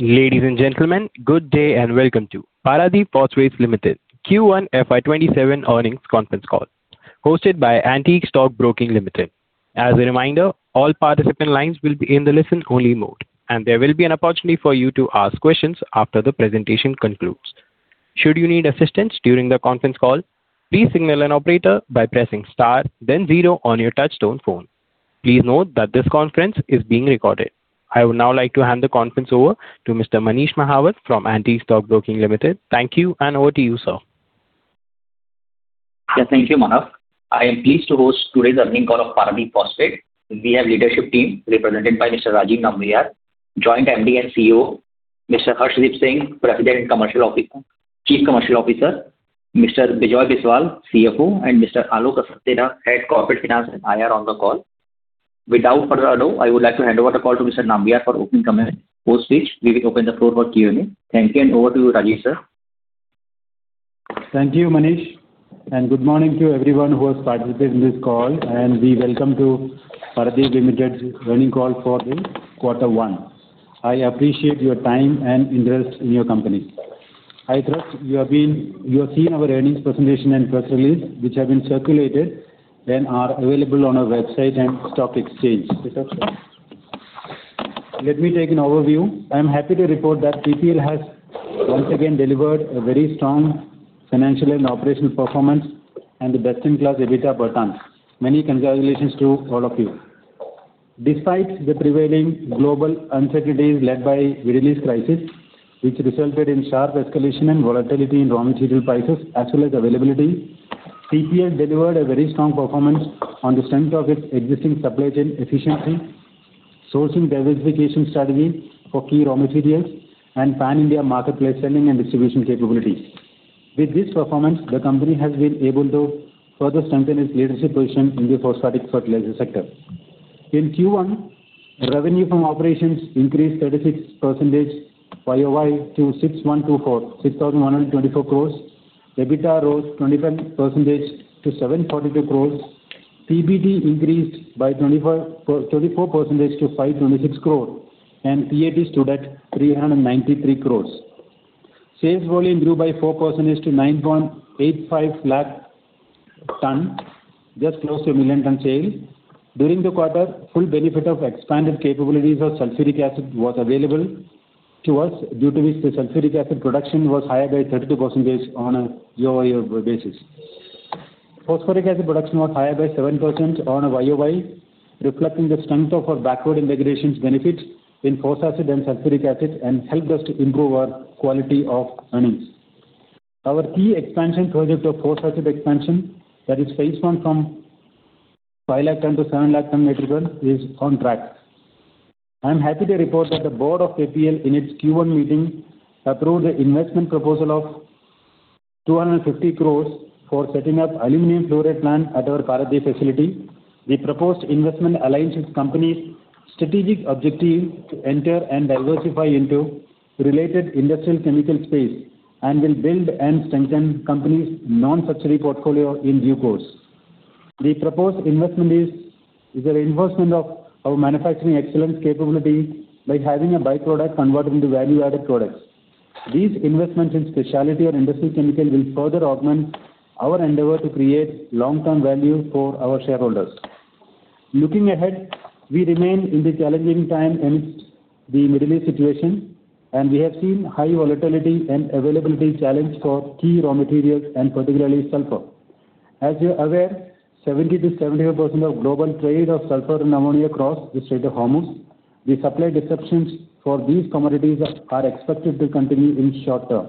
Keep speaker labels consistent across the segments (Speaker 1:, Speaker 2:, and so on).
Speaker 1: Ladies and gentlemen, good day and welcome to Paradeep Phosphates Limited Q1 FY 2027 earnings conference call hosted by Antique Stock Broking Limited. As a reminder, all participant lines will be in the listen only mode, and there will be an opportunity for you to ask questions after the presentation concludes. Should you need assistance during the conference call, please signal an operator by pressing star then zero on your touch-tone phone. Please note that this conference is being recorded. I would now like to hand the conference over to Mr. Manish Mahawar from Antique Stock Broking Limited. Thank you, and over to you, sir.
Speaker 2: Yes. Thank you, Manav. I am pleased to host today's earning call of Paradeep Phosphates. We have leadership team represented by Mr. Rajeev Nambiar, Joint MD and CEO, Mr. Harshdeep Singh, President and Chief Commercial Officer, Mr. Bijoy Biswal, CFO, and Mr. Alok Saxena, Head Corporate Finance and IR, on the call. Without further ado, I would like to hand over the call to Mr. Nambiar for opening comments. After which we will open the floor for Q&A. Thank you, and over to you, Rajeev, sir.
Speaker 3: Thank you, Manish. Good morning to everyone who has participated in this call. We welcome to Paradeep Phosphates earning call for the quarter one. I appreciate your time and interest in your company. I trust you have seen our earnings presentation and press release, which have been circulated and are available on our website and stock exchange. Let me take an overview. I am happy to report that PPL has once again delivered a very strong financial and operational performance and a best-in-class EBITDA per ton. Many congratulations to all of you. Despite the prevailing global uncertainties led by Middle East crisis, which resulted in sharp escalation and volatility in raw material prices as well as availability, PPL delivered a very strong performance on the strength of its existing supply chain efficiency, sourcing diversification strategy for key raw materials, and pan-India marketplace selling and distribution capabilities. With this performance, the company has been able to further strengthen its leadership position in the phosphoric fertilizer sector. In Q1, revenue from operations increased 36% YOY to 6,124 crore. EBITDA rose 25% to 742 crore. PBT increased by 24% to 526 crore. PAT stood at 393 crore. Sales volume grew by 4% to 9.85 lakh tons, just close to a million tons sale. During the quarter, full benefit of expanded capabilities of sulfuric acid was available to us, due to which the sulfuric acid production was higher by 32% on a YOY basis. Phosphoric acid production was higher by 7% on a YOY, reflecting the strength of our backward integrations benefits in phosphoric and sulfuric acid and helped us to improve our quality of earnings. Our key expansion project of phosphoric expansion, that is phase I from 5 lakh ton-7 lakh ton at Khurda is on track. I'm happy to report that the board of PPL in its Q1 meeting approved the investment proposal of 250 crore for setting up Aluminum Fluoride plant at our Paradeep facility. The proposed investment aligns with company's strategic objective to enter and diversify into related industrial chemical space and will build and strengthen company's non-fertility portfolio in due course. The proposed investment is a reinforcement of our manufacturing excellence capability by having a by-product converted into value-added products. These investments in specialty or industrial chemical will further augment our endeavor to create long-term value for our shareholders. Looking ahead, we remain in the challenging time in the Middle East situation. We have seen high volatility and availability challenge for key raw materials and particularly sulfur. As you're aware, 70%-75% of global trade of sulfur and ammonia cross the Strait of Hormuz. The supply disruptions for these commodities are expected to continue in short term.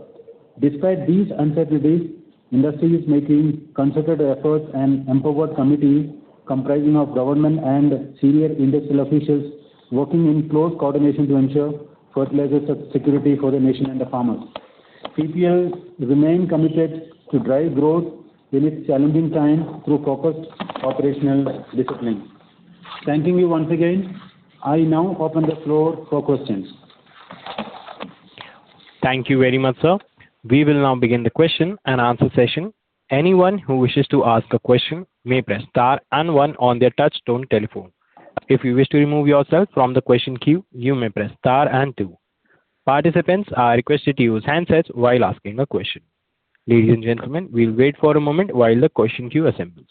Speaker 3: Despite these uncertainties, industry is making concerted efforts. Empowered committee comprising of government and senior industrial officials working in close coordination to ensure fertilizer security for the nation and the farmers. PPL remain committed to drive growth in its challenging time through focused operational discipline. Thanking you once again, I now open the floor for questions.
Speaker 1: Thank you very much, sir. We will now begin the question-and-answer session. Anyone who wishes to ask a question may press star and one on their touch-tone telephone. If you wish to remove yourself from the question queue, you may press star and two. Participants are requested to use handsets while asking a question. Ladies and gentlemen, we'll wait for a moment while the question queue assembles.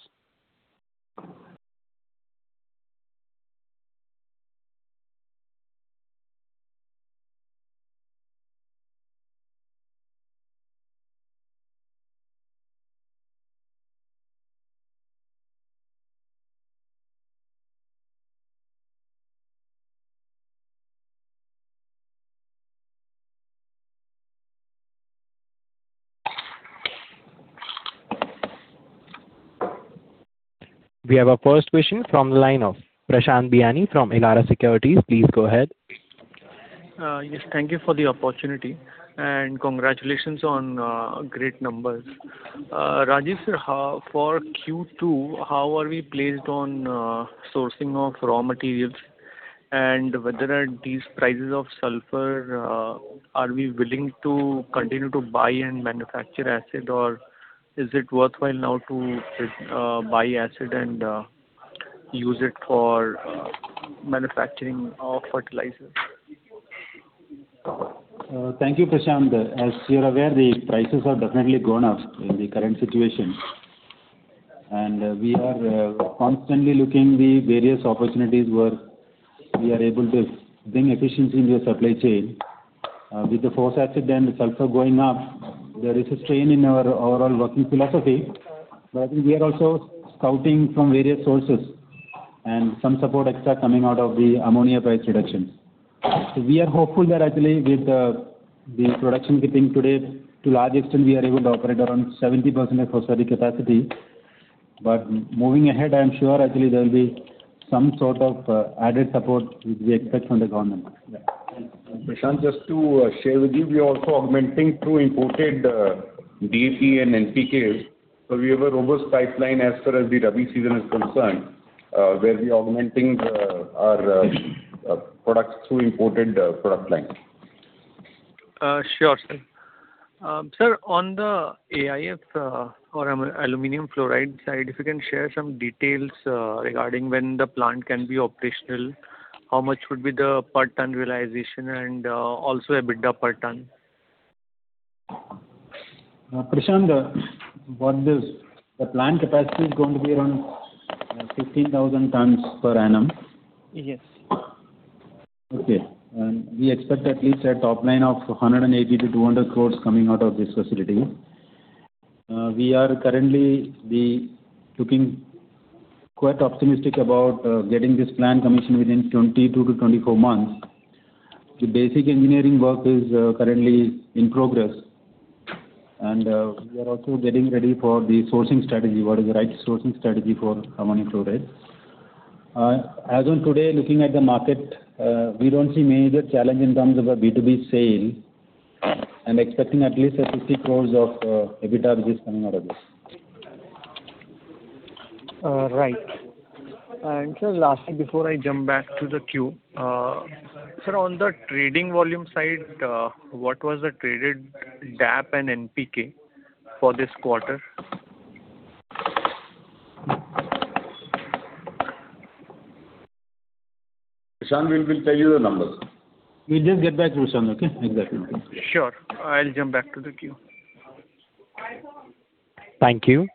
Speaker 1: We have our first question from the line of Prashant Biyani from Elara Securities. Please go ahead.
Speaker 4: Yes. Thank you for the opportunity. Congratulations on great numbers. Rajeev, for Q2, how are we placed on sourcing of raw materials? Whether at these prices of sulfur are we willing to continue to buy and manufacture acid, or is it worthwhile now to buy acid and use it for manufacturing of fertilizers.
Speaker 3: Thank you, Prashant. As you're aware, the prices have definitely gone up in the current situation, we are constantly looking the various opportunities where we are able to bring efficiency into the supply chain. With the phosphoric acid and the sulfur going up, there is a strain in our overall working philosophy. We are also scouting from various sources, and some support extra coming out of the ammonia price reductions. We are hopeful there actually with the production dipping today, to a large extent we are able to operate around 70% of phosphoric capacity. Moving ahead, I am sure actually there will be some sort of added support which we expect from the government.
Speaker 5: Prashant, just to share with you, we are also augmenting through imported DAP and NPK. We have a robust pipeline as far as the Rabi season is concerned, where we're augmenting our products through imported product line.
Speaker 4: Sure, sir. Sir, on the AlF3 or Aluminum Fluoride side, if you can share some details regarding when the plant can be operational, how much would be the per ton realization, and also EBITDA per ton.
Speaker 3: Prashant, the plant capacity is going to be around 15,000 tons per annum.
Speaker 4: Yes.
Speaker 3: Okay. We expect at least a top line of 180 crore to 200 crore coming out of this facility. We are currently looking quite optimistic about getting this plant commissioned within 22 months-24 months. The basic engineering work is currently in progress, and we are also getting ready for the sourcing strategy, what is the right sourcing strategy for Aluminum Fluoride. As on today, looking at the market, we don't see major challenge in terms of a B2B sale, and expecting at least an 50 crore of EBITDA which is coming out of this.
Speaker 4: Right. Sir, lastly, before I jump back to the queue. Sir, on the trading volume side, what was the traded DAP and NPK for this quarter?
Speaker 5: Prashant, we will tell you the numbers.
Speaker 3: We'll just get back to you, Prashant, okay. With that number.
Speaker 4: Sure. I'll jump back to the queue.
Speaker 1: Thank you.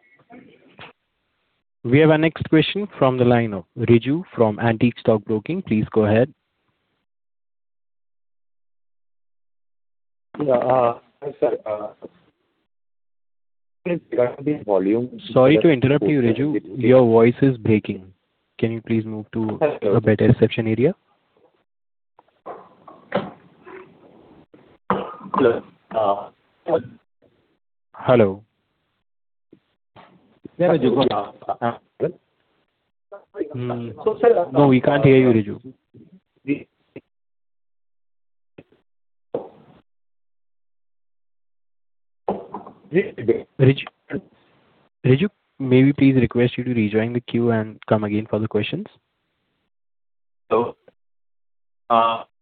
Speaker 1: We have our next question from the line of Riju from Antique Stock Broking. Please go ahead.
Speaker 6: Yeah. Hi, sir. Regarding the volume-
Speaker 1: Sorry to interrupt you, Riju. Your voice is breaking. Can you please move to-
Speaker 6: Hello
Speaker 1: a better reception area?
Speaker 6: Hello.
Speaker 1: Hello?
Speaker 5: Yeah, Riju.
Speaker 1: No, we can't hear you, Riju. Riju? May we please request you to rejoin the queue and come again for the questions?
Speaker 6: Hello.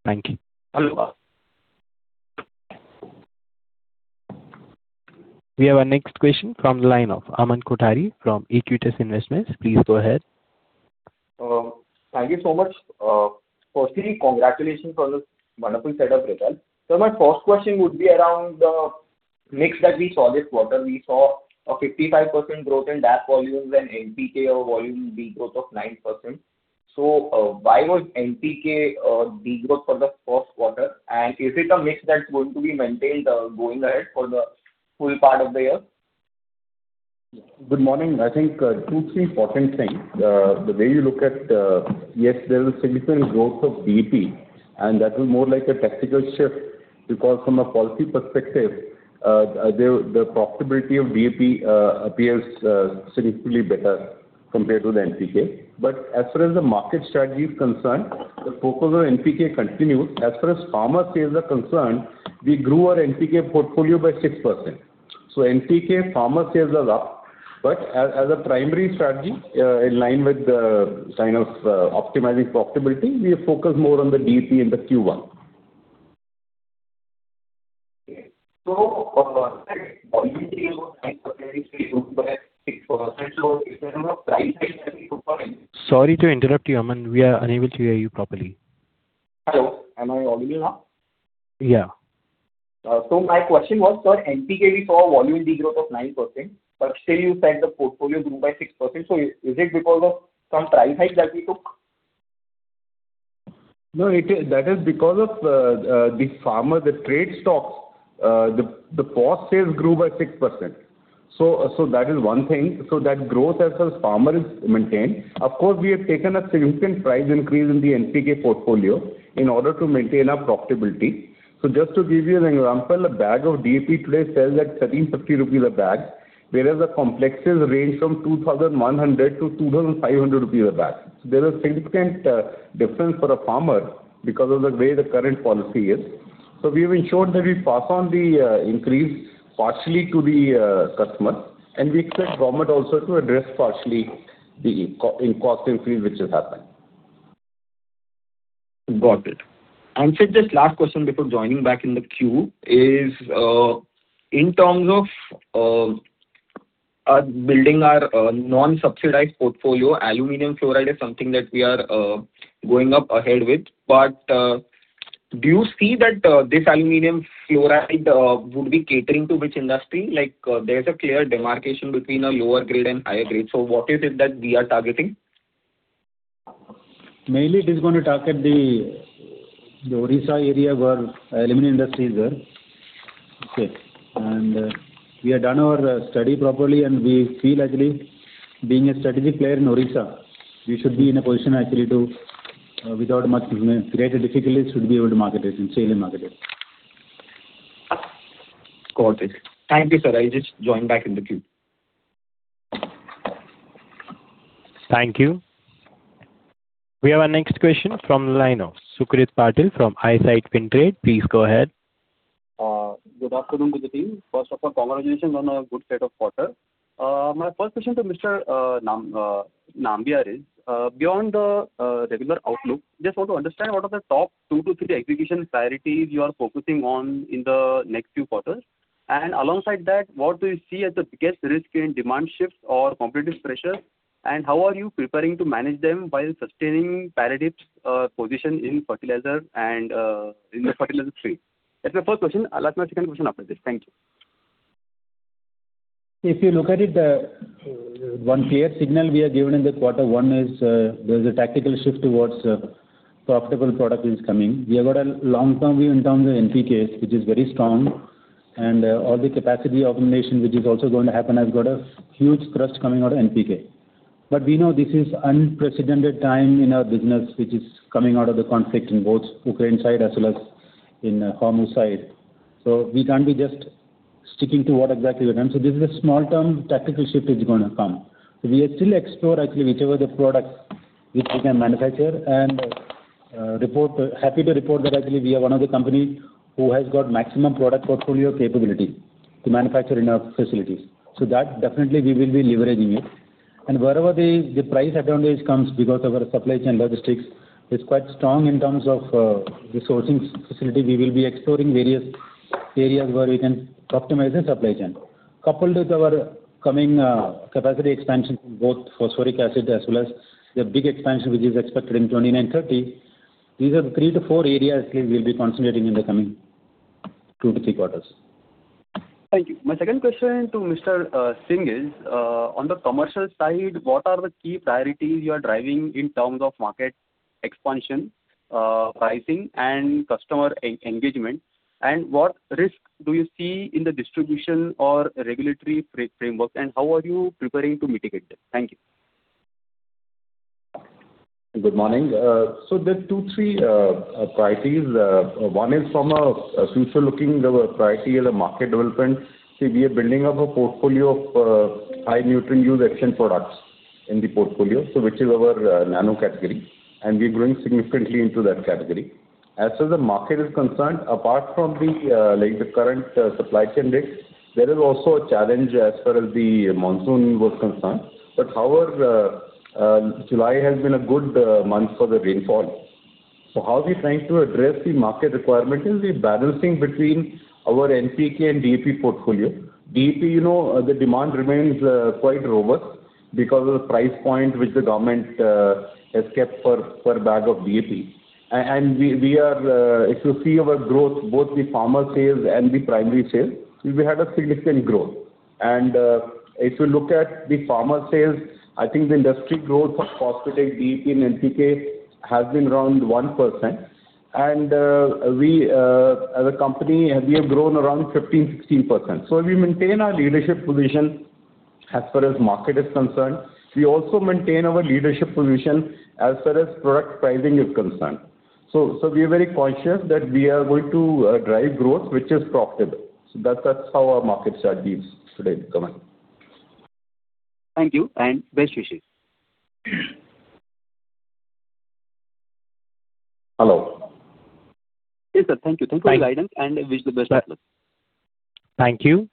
Speaker 1: Thank you.
Speaker 6: Hello.
Speaker 1: We have our next question from the line of Aman Kothari from Aequitas Investments. Please go ahead.
Speaker 7: Thank you so much. Firstly, congratulations on the wonderful set of results. My first question would be around the mix that we saw this quarter. We saw a 55% growth in DAP volumes and NPK volume de-growth of 9%. Why was NPK de-growth for the first quarter and is it a mix that's going to be maintained going ahead for the full part of the year?
Speaker 5: Good morning. I think two, three important things. The way you look at, yes, there is a significant growth of DAP, that was more like a tactical shift because from a policy perspective, the profitability of DAP appears significantly better compared to the NPK. As far as the market strategy is concerned, the focus on NPK continues. As far as farmer sales are concerned, we grew our NPK portfolio by 6%. NPK farmer sales are up, but as a primary strategy, in line with the sign of optimizing profitability, we have focused more on the DAP in the Q1.
Speaker 7: 6%. Is there no price hike that we took on-
Speaker 1: Sorry to interrupt you, Aman. We are unable to hear you properly.
Speaker 7: Hello, am I audible now?
Speaker 1: Yeah.
Speaker 7: My question was, sir, NPK, we saw a volume de-growth of 9%, but still you said the portfolio grew by 6%. Is it because of some price hike that we took?
Speaker 5: No, that is because of the farmer, the trade stocks, the post-sales grew by 6%. That is one thing. That growth as far as farmer is maintained. Of course, we have taken a significant price increase in the NPK portfolio in order to maintain our profitability. Just to give you an example, a bag of DAP today sells at 1,350 rupees a bag, whereas the complexes range from 2,100-2,500 rupees a bag. There's a significant difference for a farmer because of the way the current policy is. We have ensured that we pass on the increase partially to the customer, and we expect government also to address partially the cost increase which has happened.
Speaker 7: Got it. Sir, just last question before joining back in the queue is, in terms of building our non-subsidized portfolio, Aluminum Fluoride is something that we are going up ahead with. Do you see that this Aluminum Fluoride would be catering to which industry? There is a clear demarcation between a lower grade and higher grade. What is it that we are targeting?
Speaker 3: Mainly, it is going to target the Odisha area where aluminum industry is there.
Speaker 7: Okay.
Speaker 3: We have done our study properly, and we feel actually being a strategic player in Odisha, we should be in a position actually to, without much greater difficulty, should be able to market it and sell and market it.
Speaker 7: Got it. Thank you, sir. I'll just join back in the queue.
Speaker 1: Thank you. We have our next question from the line of Sucrit Patil from IIFL Securities. Please go ahead.
Speaker 8: Good afternoon to the team. First of all, congratulations on a good set of quarter. My first question to Mr. Nambiar is, beyond the regular outlook, just want to understand what are the top two to three execution priorities you are focusing on in the next few quarters. Alongside that, what do you see as the biggest risk in demand shifts or competitive pressures, and how are you preparing to manage them while sustaining Paradeep's position in the fertilizer stream? That's my first question. I'll ask my second question after this. Thank you.
Speaker 3: If you look at it, one clear signal we have given in this quarter, one is there's a tactical shift towards profitable product is coming. We have got a long-term view in terms of NPK, which is very strong, and all the capacity augmentation which is also going to happen has got a huge thrust coming out of NPK. We know this is unprecedented time in our business, which is coming out of the conflict in both Ukraine side as well as in Hormuz side. We can't be just sticking to what exactly we've done. This is a small-term tactical shift is going to come. We still explore actually whichever the products which we can manufacture and happy to report that actually we are one of the company who has got maximum product portfolio capability to manufacture in our facilities. That definitely we will be leveraging it. Wherever the price advantage comes because our supply chain logistics is quite strong in terms of resourcing facility, we will be exploring various areas where we can optimize the supply chain. Coupled with our coming capacity expansion, both phosphoric acid as well as the big expansion which is expected in 2029, 2030, these are the three to four areas we will be concentrating in the coming two to three quarters.
Speaker 8: Thank you. My second question to Mr. Singh is, on the commercial side, what are the key priorities you are driving in terms of market expansion, pricing, and customer engagement, and what risk do you see in the distribution or regulatory framework, and how are you preparing to mitigate them? Thank you.
Speaker 5: Good morning. There are two, three priorities. One is from a future-looking priority as a market development. We are building up a portfolio of high nutrient use efficient products in the portfolio. Which is our nano category, and we're growing significantly into that category. As far as the market is concerned, apart from the current supply chain risk, there is also a challenge as far as the monsoon was concerned. However, July has been a good month for the rainfall. How we're trying to address the market requirement is the balancing between our NPK and DAP portfolio. DAP, the demand remains quite robust because of the price point which the government has kept per bag of DAP. If you see our growth, both the farmer sales and the primary sales, we had a significant growth. If you look at the farmer sales, I think the industry growth for phosphate in NPK has been around 1%. We as a company, we have grown around 15%, 16%. We maintain our leadership position as far as market is concerned. We also maintain our leadership position as far as product pricing is concerned. We are very conscious that we are going to drive growth, which is profitable. That's how our market share behaves today in the coming.
Speaker 8: Thank you, and best wishes.
Speaker 5: Hello?
Speaker 8: Yes, sir. Thank you. Thank you for your guidance. I wish the best of luck.
Speaker 1: Thank you.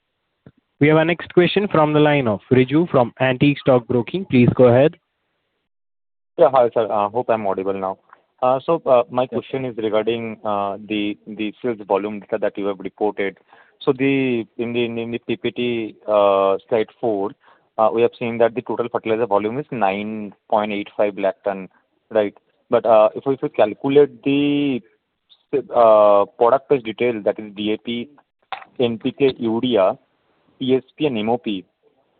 Speaker 1: We have our next question from the line of Riju from Antique Stock Broking. Please go ahead.
Speaker 6: Hi, sir. Hope I'm audible now. My question is regarding the sales volume data that you have reported. In the PPT, slide four, we have seen that the total fertilizer volume is 9.85 lakh ton. Right. But if we calculate the product-wise detail, that is DAP, NPK, urea, TSP, and MOP,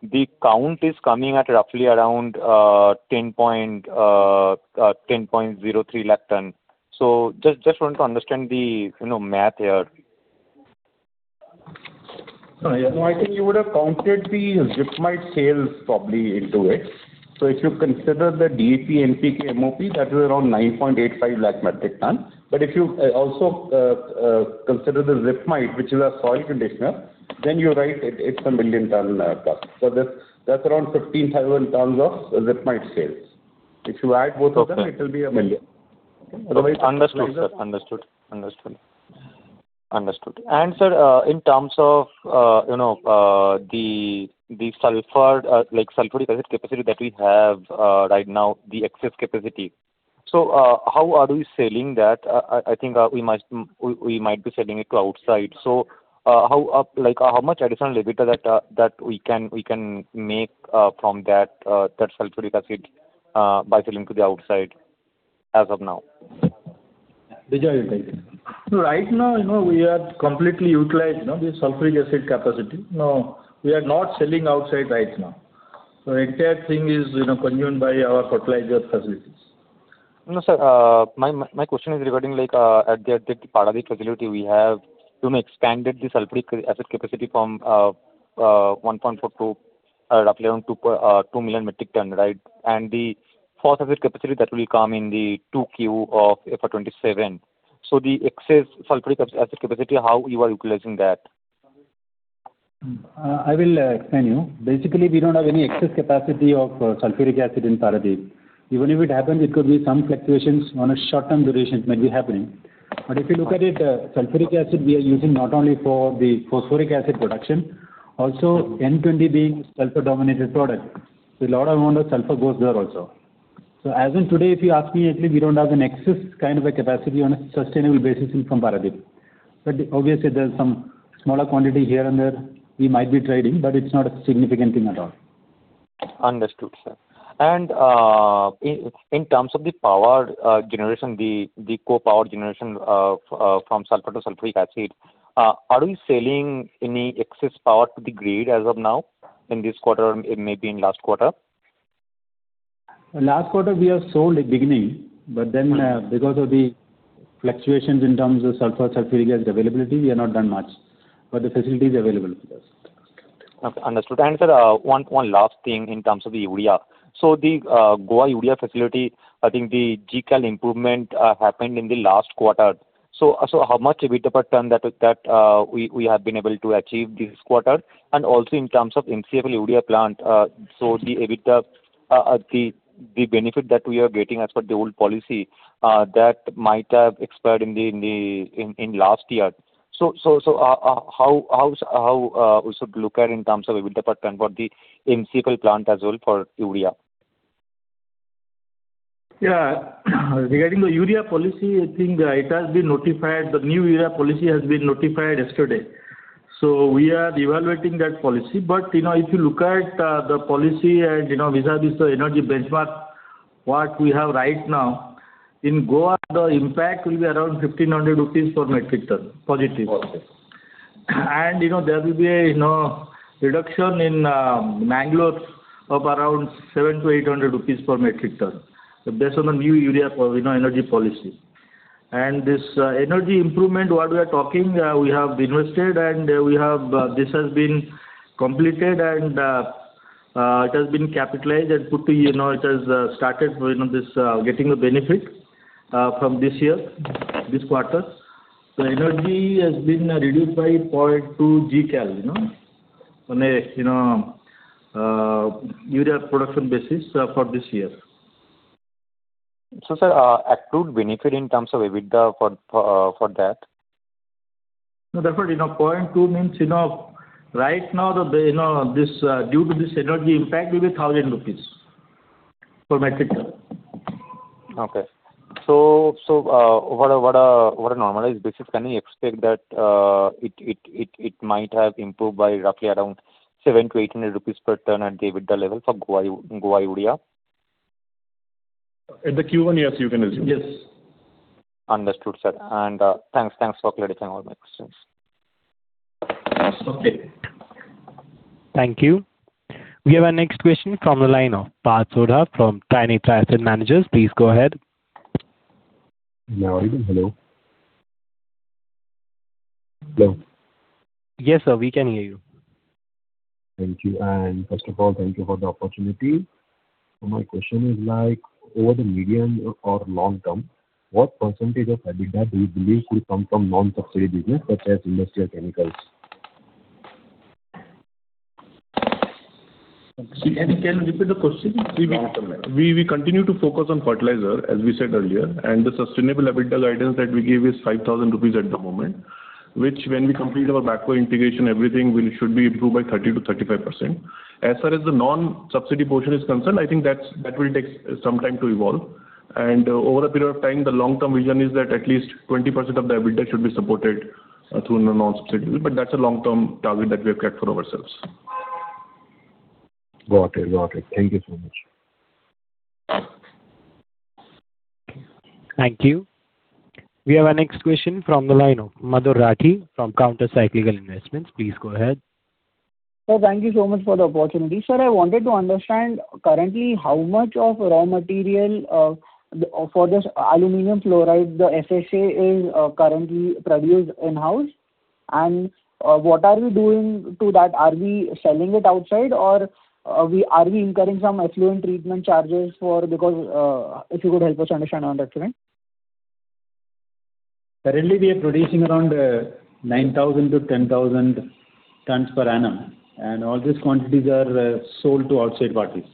Speaker 6: the count is coming at roughly around 10.03 lakh ton. Just want to understand the math here.
Speaker 5: I think you would have counted the Zypmite sales probably into it. If you consider the DAP, NPK, MOP, that is around 9.85 lakh metric ton. If you also consider the Zypmite, which is a soil conditioner, then you're right, it's a million ton plus. That's around 15,000 tons of Zypmite sales. If you add both of them, it will be a million.
Speaker 6: Understood, sir. Understood. Understood. Sir, in terms of the sulfur capacity that we have right now, the excess capacity, how are we selling that? I think we might be selling it to outside. How much additional EBITDA that we can make from that sulfuric acid by selling to the outside as of now?
Speaker 3: Bijoy will tell you.
Speaker 9: Right now, we have completely utilized the sulfuric acid capacity. No, we are not selling outside right now. Entire thing is consumed by our fertilizer facilities.
Speaker 6: No, sir. My question is regarding at the Paradeep facility, we have expanded the sulphuric acid capacity from 1.4 to roughly around 2 million metric ton. The fourth acid capacity that will come in the 2Q of FY 2027. The excess sulphuric acid capacity, how you are utilizing that?
Speaker 3: I will explain you. We don't have any excess capacity of sulphuric acid in Paradeep. Even if it happens, it could be some fluctuations on a short-term duration might be happening. If you look at it, sulphuric acid we are using not only for the phosphoric acid production, also N20 being a sulfur-dominated product, a lot amount of sulfur goes there also. As in today, if you ask me, actually, we don't have an excess capacity on a sustainable basis from Paradeep. Obviously, there's some smaller quantity here and there we might be trading, but it's not a significant thing at all.
Speaker 6: Understood, sir. In terms of the power generation, the co-power generation from sulfur to sulphuric acid, are we selling any excess power to the grid as of now in this quarter or maybe in last quarter?
Speaker 3: Last quarter we have sold at beginning, because of the fluctuations in terms of sulfur, sulphuric acid availability, we have not done much, the facility is available for that.
Speaker 6: Sir, one last thing in terms of the urea. The Goa urea facility, I think the GCal improvement happened in the last quarter. How much EBITDA per ton that we have been able to achieve this quarter? Also in terms of MCFL urea plant, the EBITDA, the benefit that we are getting as per the old policy that might have expired in last year. How we should look at in terms of EBITDA per ton for the MCFL plant as well for urea?
Speaker 9: Regarding the urea policy, I think it has been notified. The new urea policy has been notified yesterday. We are evaluating that policy. If you look at the policy and vis-à-vis the energy benchmark, what we have right now, in Goa, the impact will be around 1,500 rupees per metric ton positive.
Speaker 6: Okay.
Speaker 9: There will be a reduction in Bangalore of around 700-800 rupees per metric ton based on the new urea energy policy. This energy improvement, what we are talking, we have invested, and this has been completed and it has been capitalized and it has started getting the benefit from this year, this quarter. Energy has been reduced by 0.2 GCal on a urea production basis for this year.
Speaker 6: Sir, accrued benefit in terms of EBITDA for that?
Speaker 9: 0.2 means right now, due to this energy impact will be 1,000 rupees per metric ton.
Speaker 6: Okay. Over a normalized basis, can we expect that it might have improved by roughly around 700-800 rupees per ton at the EBITDA level for Goa urea?
Speaker 3: In the Q1, yes, you can assume.
Speaker 9: Yes.
Speaker 6: Understood, sir. Thanks for clarifying all my questions.
Speaker 3: Okay.
Speaker 1: Thank you. We have our next question from the line of Parth Sodha from Trinetra Asset Managers. Please go ahead.
Speaker 10: Am I audible? Hello? Hello.
Speaker 1: Yes, sir. We can hear you.
Speaker 10: Thank you. First of all, thank you for the opportunity. My question is, over the medium or long term, what percentage of EBITDA do you believe will come from non-subsidy business such as industrial chemicals?
Speaker 3: Can you repeat the question?
Speaker 9: We continue to focus on fertilizer, as we said earlier, the sustainable EBITDA guidance that we gave is ₹5,000 at the moment, which when we complete our backward integration, everything should be improved by 30%-35%. As far as the non-subsidy portion is concerned, I think that will take some time to evolve. Over a period of time, the long-term vision is that at least 20% of the EBITDA should be supported through non-subsidy route. That's a long-term target that we have kept for ourselves.
Speaker 10: Got it. Thank you so much.
Speaker 1: Thank you. We have our next question from the line of Madhur Rathi from Counter Cyclical Investments. Please go ahead.
Speaker 11: Sir, thank you so much for the opportunity. Sir, I wanted to understand currently how much of raw material for this Aluminum Fluoride, the FSA is currently produced in-house, and what are we doing to that? Are we selling it outside or are we incurring some effluent treatment charges? If you could help us understand on that front.
Speaker 3: Currently we are producing around 9,000 tons-10,000 tons per annum, and all these quantities are sold to outside parties.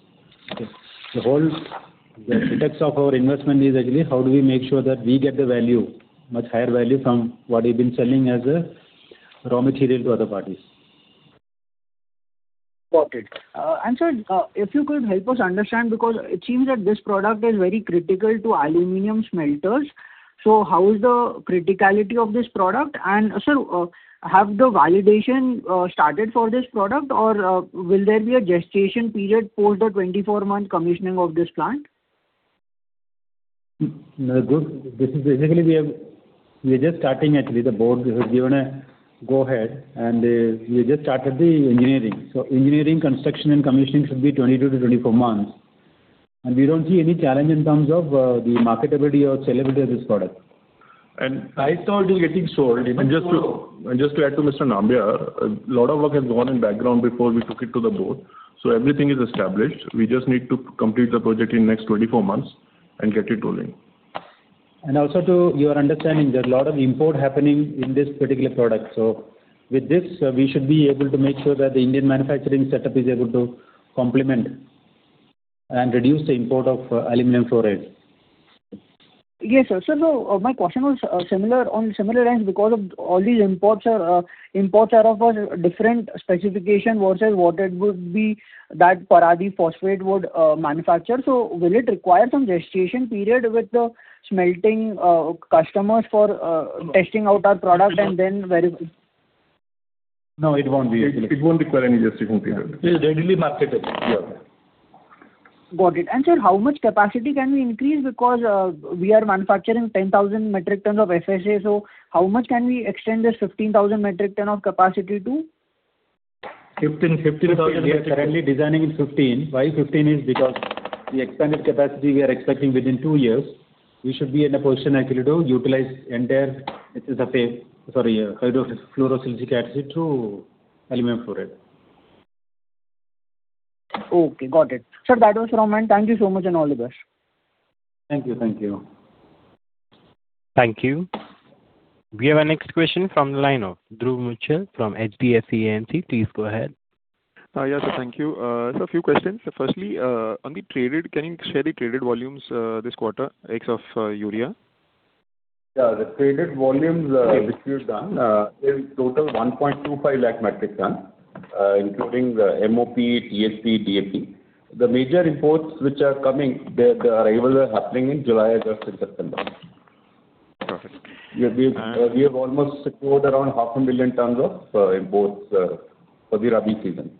Speaker 3: Okay. The whole crux of our investment is actually how do we make sure that we get much higher value from what we've been selling as a raw material to other parties.
Speaker 11: Got it. Sir, if you could help us understand, because it seems that this product is very critical to aluminum smelters. How is the criticality of this product? Sir, have the validation started for this product, or will there be a gestation period for the 24-month commissioning of this plant?
Speaker 3: No, good. Basically, we are just starting actually. The board has given a go ahead, and we just started the engineering. Engineering, construction, and commissioning should be 22 months-24 months. We don't see any challenge in terms of the marketability or sellability of this product.
Speaker 11: I thought it is getting sold even.
Speaker 5: Just to add to Mr. Nambiar, a lot of work has gone in background before we took it to the board. Everything is established. We just need to complete the project in next 24 months and get it rolling.
Speaker 3: Also to your understanding, there are a lot of import happening in this particular product. With this, we should be able to make sure that the Indian manufacturing setup is able to complement and reduce the import of Aluminum Fluoride.
Speaker 11: Yes, sir. My question was on similar lines because of all these imports are of a different specification versus what it would be that Paradeep Phosphates would manufacture. Will it require some gestation period with the smelting customers for testing out our product and then verify?
Speaker 3: No, it won't be actually.
Speaker 5: It won't require any gestation period.
Speaker 3: It is readily marketable.
Speaker 5: Yeah.
Speaker 11: Got it. Sir, how much capacity can we increase? Because we are manufacturing 10,000 metric tons of FSA, how much can we extend this 15,000 metric ton of capacity to?
Speaker 3: 15,000.
Speaker 5: Fifteen.
Speaker 3: We are currently designing in 15. Why 15 is because the expanded capacity we are expecting within two years, we should be in a position actually to utilize entire hydrofluorosilicic acid through Aluminum Fluoride.
Speaker 11: Okay, got it. Sir, that was from my end. Thank you so much and all the best.
Speaker 3: Thank you.
Speaker 1: Thank you. We have our next question from the line of Dhruv Muchhal from HDFC AMC. Please go ahead.
Speaker 12: Yes, sir. Thank you. Sir, few questions. Firstly, on the traded, can you share the traded volumes this quarter, ex of urea?
Speaker 5: Yeah, the traded volumes which we've done is total 1.25 lakh metric ton, including MOP, TSP, DAP. The major imports which are coming, the arrival are happening in July, August, and September.
Speaker 12: Perfect.
Speaker 5: We have almost secured around half a million tons of imports for the Rabi season.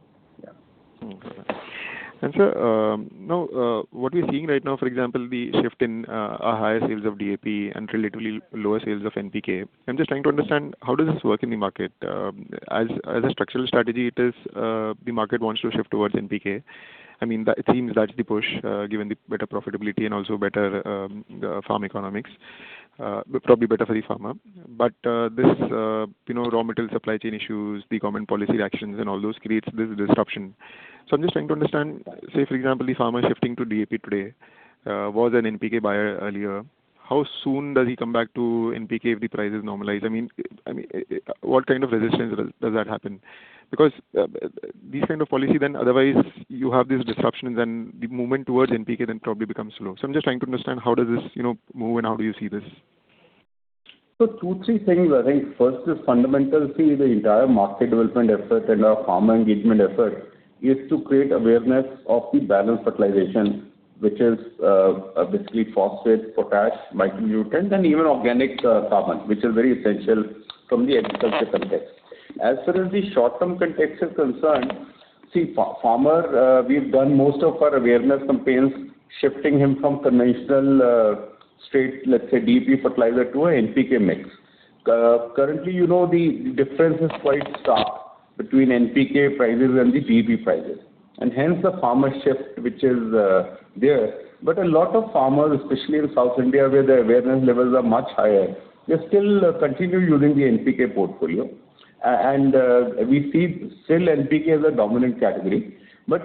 Speaker 5: Yeah.
Speaker 12: Okay. Sir, now what we're seeing right now, for example, the shift in our higher sales of DAP and relatively lower sales of NPK. I'm just trying to understand how does this work in the market. As a structural strategy, it is the market wants to shift towards NPK. It seems that's the push, given the better profitability and also better farm economics, probably better for the farmer. These raw material supply chain issues, the government policy reactions, and all those creates this disruption. I'm just trying to understand, say for example, the farmer shifting to DAP today was an NPK buyer earlier. How soon does he come back to NPK if the price is normalized? What kind of resistance does that happen? These kind of policy then otherwise you have this disruption, then the movement towards NPK then probably becomes slow. I'm just trying to understand how does this move and how do you see this?
Speaker 5: Two, three things I think. First is fundamental. See, the entire market development effort and our farmer engagement effort is to create awareness of the balanced fertilization, which is basically phosphate, potash, micronutrient, and even organic carbon, which is very essential from the agriculture context. As far as the short-term context is concerned, see, farmer, we've done most of our awareness campaigns shifting him from conventional straight, let's say, DAP fertilizer to an NPK mix. Currently, the difference is quite stark between NPK prices and the DAP prices, and hence the farmer shift which is there. A lot of farmers, especially in South India where the awareness levels are much higher, they still continue using the NPK portfolio. We see still NPK as a dominant category.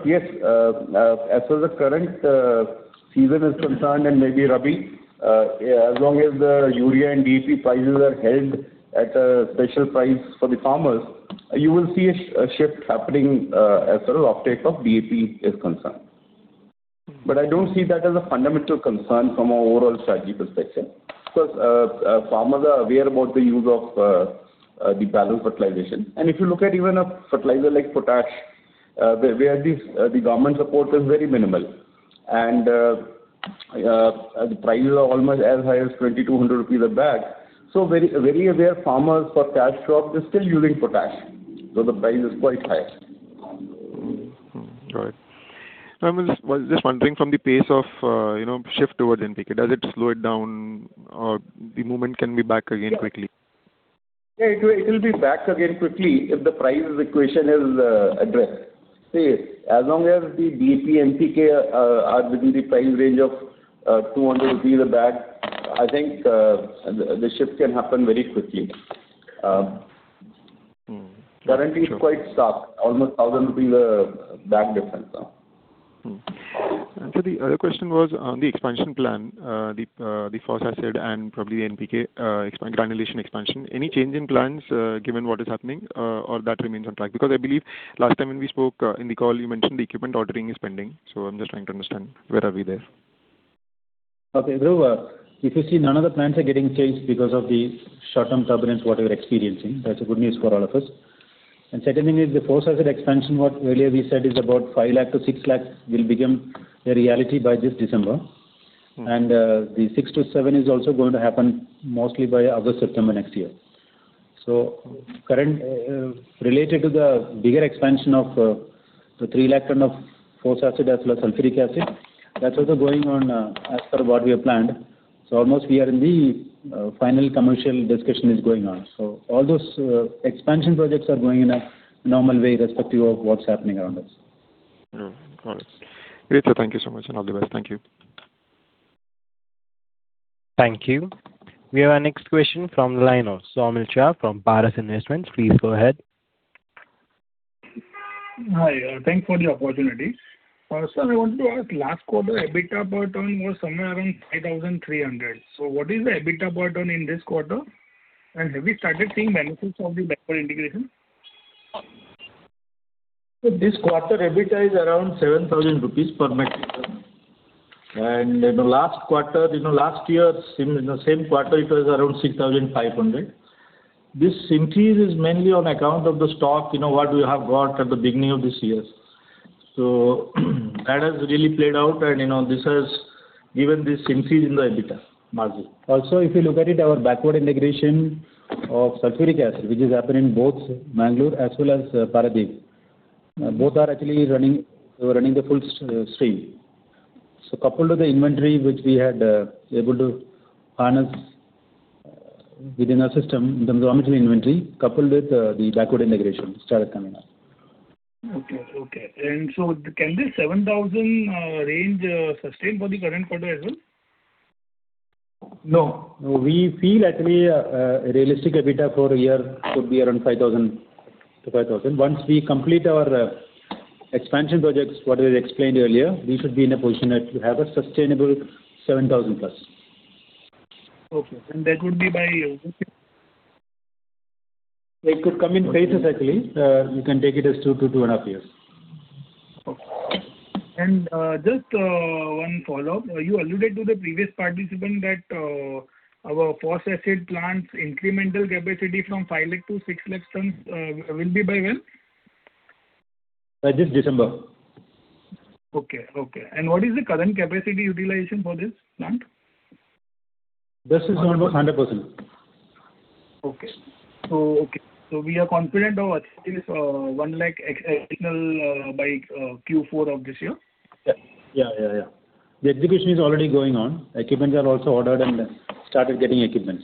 Speaker 5: Yes, as far as the current season is concerned, and maybe Rabi, as long as the urea and DAP prices are held at a special price for the farmers, you will see a shift happening as far as uptake of DAP is concerned. I don't see that as a fundamental concern from an overall strategy perspective. Farmers are aware about the use of the balanced fertilization. If you look at even a fertilizer like potash, where the government support is very minimal, and the prices are almost as high as 2,200 rupees a bag. Very aware farmers for cash crop, they're still using potash, though the price is quite high.
Speaker 12: Right. I was just wondering from the pace of shift towards NPK, does it slow it down or the movement can be back again quickly?
Speaker 5: it will be back again quickly if the price equation is addressed. As long as the DAP, NPK are within the price range of 200 rupees a bag, I think the shift can happen very quickly.
Speaker 12: Sure.
Speaker 5: Currently, it's quite stark. Almost 1,000 rupees a bag difference.
Speaker 12: Sir, the other question was on the expansion plan, the phos-acid and probably the NPK granulation expansion. Any change in plans given what is happening or that remains on track? I believe last time when we spoke in the call, you mentioned the equipment ordering is pending. I'm just trying to understand where are we there.
Speaker 3: Okay, Dhruv. If you see, none of the plants are getting changed because of the short-term turbulence what we're experiencing. That's good news for all of us. Second thing is the phosphoric expansion, what earlier we said is about 5 lakh-6 lakh, will become a reality by this December. The six to seven is also going to happen mostly by August, September next year. Related to the bigger expansion of the 3 lakh ton of phosphoric as well as sulfuric acid, that's also going on as per what we have planned. Almost we are in the final commercial discussion is going on. All those expansion projects are going in a normal way irrespective of what's happening around us.
Speaker 12: Got it. Great. Thank you so much, and all the best. Thank you.
Speaker 1: Thank you. We have our next question from the line of Saumil Shah from Paras Investments. Please go ahead.
Speaker 13: Hi. Thanks for the opportunity. Sir, I want to ask last quarter, EBITDA per ton was somewhere around 5,300. What is the EBITDA per ton in this quarter? Have you started seeing benefits of the backward integration?
Speaker 3: This quarter, EBITDA is around 7,000 rupees per metric ton. In the last year, in the same quarter, it was around 6,500. This increase is mainly on account of the stock what we have got at the beginning of this year. That has really played out, and this has given this increase in the EBITDA margin. If you look at it, our backward integration of sulfuric acid, which is happening both Bangalore as well as Paradeep. Both are actually running the full stream. Coupled with the inventory, which we had able to harness within our system in terms of raw material inventory, coupled with the backward integration started coming up.
Speaker 13: Okay. Can this 7,000 range sustain for the current quarter as well?
Speaker 3: No. We feel actually a realistic EBITDA for a year should be around 5,000. Once we complete our expansion projects, what I explained earlier, we should be in a position that we have a sustainable 7,000+.
Speaker 13: Okay. That would be by when?
Speaker 3: It could come in phases, actually. You can take it as two to two and a half years.
Speaker 13: Okay. Just one follow-up. You alluded to the previous participant that our phosphoric acid plants' incremental capacity from 5 lakh-6 lakh tons will be by when?
Speaker 3: By this December.
Speaker 13: Okay. What is the current capacity utilization for this plant?
Speaker 3: This is almost 100%.
Speaker 13: We are confident of achieving this 1 lakh additional by Q4 of this year?
Speaker 3: Yeah. The execution is already going on. Equipments are also ordered, started getting equipments.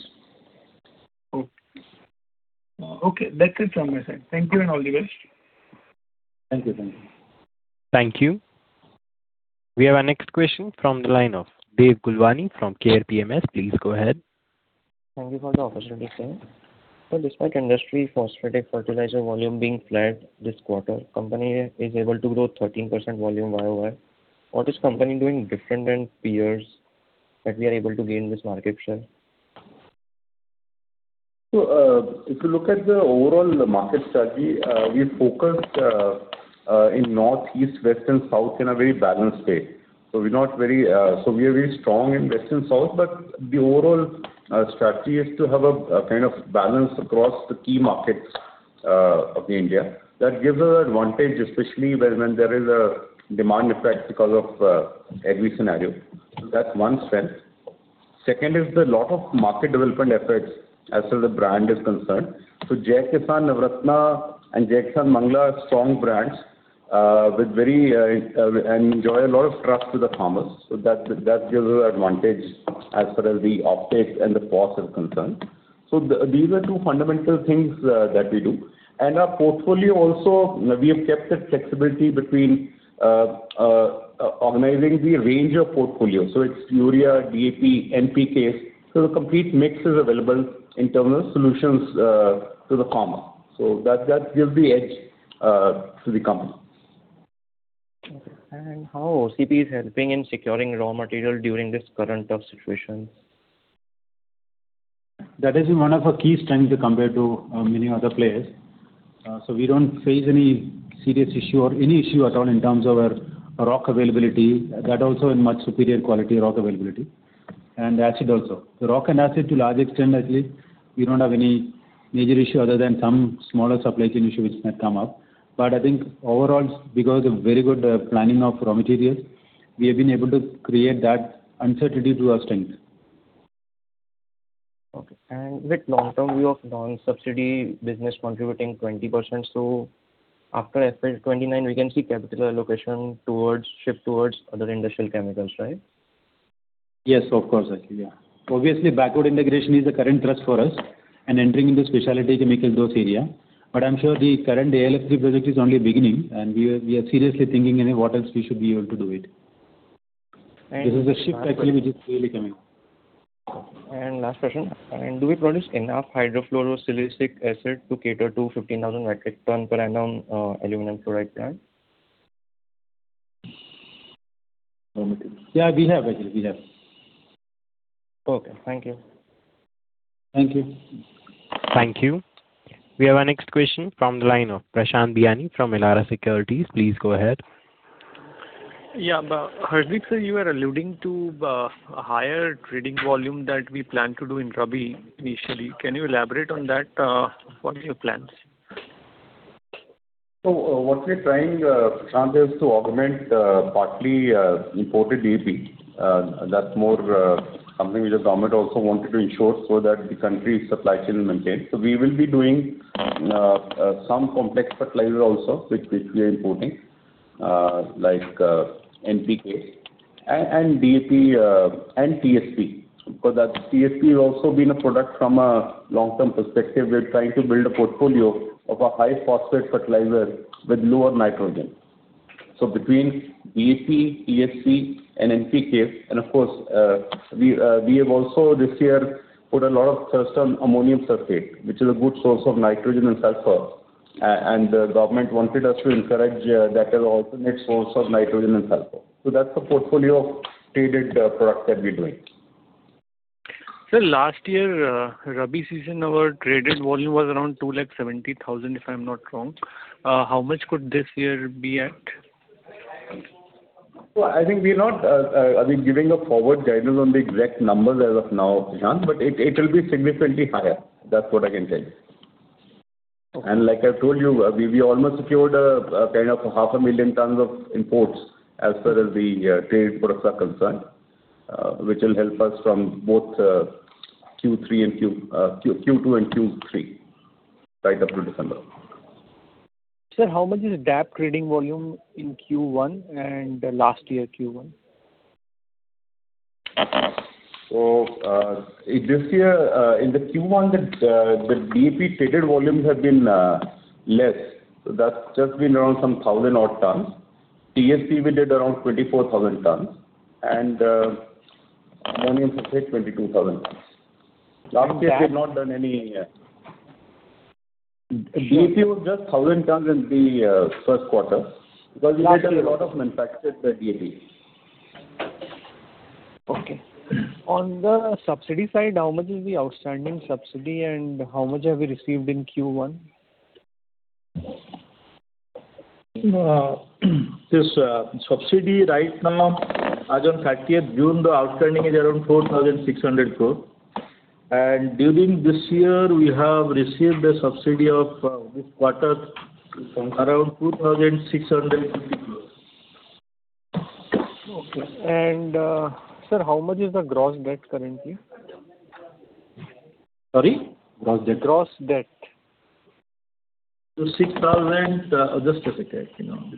Speaker 13: Okay. That's it from my side. Thank you, all the best.
Speaker 3: Thank you.
Speaker 1: Thank you. We have our next question from the line of Dev Gulwani from Care PMS. Please go ahead.
Speaker 14: Thank you for the opportunity, sir. Sir, despite industry phosphatic fertilizer volume being flat this quarter, company is able to grow 13% volume YoY. What is company doing different than peers that we are able to gain this market share?
Speaker 3: If you look at the overall market strategy, we focused in north, east, west, and south in a very balanced way. We are very strong in west and south, but the overall strategy is to have a kind of balance across the key markets of India. That gives us advantage, especially when there is a demand effect because of every scenario. That's one strength. Second is the lot of market development efforts as far as the brand is concerned. Jai Kisaan Navratna and Jai Kisaan Mangla are strong brands, and enjoy a lot of trust with the farmers. That gives us advantage as far as the off take and the phos is concerned. These are two fundamental things that we do. Our portfolio also, we have kept the flexibility between organizing the range of portfolio. It's urea, DAP, NPKs. The complete mix is available in terms of solutions to the farmer. That gives the edge to the company.
Speaker 14: Okay. How OCP is helping in securing raw material during this current tough situation?
Speaker 3: That has been one of our key strengths compared to many other players. We don't face any serious issue or any issue at all in terms of our rock availability. That also in much superior quality rock availability, and acid also. The rock and acid, to a large extent, at least, we don't have any major issue other than some smaller supply chain issue which might come up. I think overall, because of very good planning of raw materials, we have been able to create that uncertainty to our strength.
Speaker 14: Okay. With long-term view of non-subsidy business contributing 20%, so after FY 2029, we can see capital allocation shift towards other industrial chemicals, right?
Speaker 3: Yes, of course. Actually, yeah. Obviously, backward integration is the current thrust for us and entering into speciality chemicals, those area. I'm sure the current AlF3 project is only beginning, and we are seriously thinking what else we should be able to do with. This is a shift actually which is really coming up.
Speaker 14: Last question. Do we produce enough hydrofluorosilicic acid to cater to 15,000 metric ton per annum aluminum fluoride plant?
Speaker 3: Yeah, we have, actually.
Speaker 14: Okay. Thank you.
Speaker 3: Thank you.
Speaker 1: Thank you. We have our next question from the line of Prashant Biyani from Elara Securities. Please go ahead.
Speaker 4: Harshdeep, sir, you are alluding to a higher trading volume that we plan to do in Rabi initially. Can you elaborate on that? What are your plans?
Speaker 5: What we're trying, Prashant, is to augment partly imported DAP. That's more something which the government also wanted to ensure so that the country's supply chain maintains. We will be doing some complex fertilizer also, which we are importing, like NPK and TSP. That TSP also been a product from a long-term perspective. We're trying to build a portfolio of a high phosphate fertilizer with lower nitrogen. Between DAP, TSP, and NPK, and of course, we have also this year put a lot of thrust on Ammonium Sulphate, which is a good source of nitrogen and sulfur. The government wanted us to encourage that as an alternate source of nitrogen and sulfur. That's the portfolio of traded products that we're doing.
Speaker 4: Sir, last year, Rabi season, our traded volume was around 270,000, if I'm not wrong. How much could this year be at?
Speaker 5: I think we're not giving a forward guidance on the exact numbers as of now, Prashant, but it will be significantly higher. That's what I can tell you.
Speaker 4: Okay.
Speaker 5: Like I told you, we almost secured half a million tons of imports as far as the trade products are concerned, which will help us from both Q2 and Q3, right up to December.
Speaker 4: Sir, how much is DAP trading volume in Q1 and last year Q1?
Speaker 5: This year, in the Q1, the DAP traded volumes have been less. That's just been around some 1,000 odd tons. TSP, we did around 24,000 tons, and Ammonium Sulphate, 22,000 tons. Last year we had not done any DAP was just 1,000 tons in the first quarter because we had a lot of manufactured DAP.
Speaker 4: Okay. On the subsidy side, how much is the outstanding subsidy and how much have you received in Q1?
Speaker 15: This subsidy right now as on 30th June, the outstanding is around 4,600 crores. During this year, we have received a subsidy of this quarter around 2,650 crores.
Speaker 4: Okay. Sir, how much is the gross debt currently?
Speaker 15: Sorry? Gross debt.
Speaker 4: Gross debt.
Speaker 15: 6,000. Just a second.